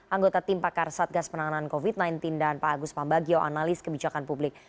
anggota tim pakar satgas penanganan covid sembilan belas dan pak agus pambagio analis kebijakan publik